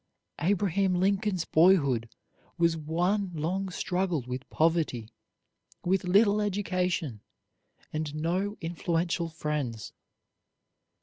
Abraham Lincoln's boyhood was one long struggle with poverty, with little education, and no influential friends.